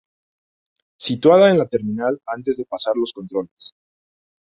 Situada en la terminal antes de pasar los controles.